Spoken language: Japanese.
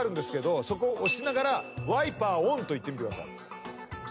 そこ押しながら「ワイパーオン」と言ってみてください。